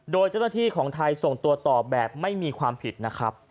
โดยเจ้าหน้าที่ของไทยส่งตัวต่อแบบไม่มีความผิดนะครับ